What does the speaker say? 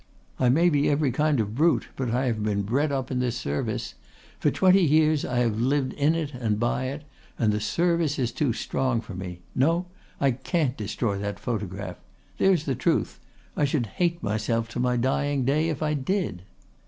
I may be every kind of brute, but I have been bred up in this service. For twenty years I have lived in it and by it. And the service is too strong for me. No, I can't destroy that photograph. There's the truth. I should hate myself to my dying day if I did."